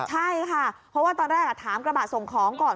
ใช่ค่ะเพราะว่าตอนแรกถามกระบะส่งของก่อน